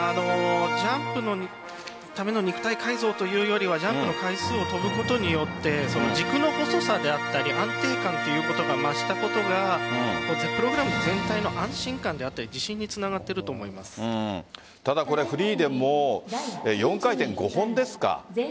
ジャンプのための肉体改造というよりはジャンプの回数を跳ぶことによってその軸の細さであったり安定感ということが増したことがプログラム全体の安心感だったり自信につながっているただこれフリーでも４回転５本ですか。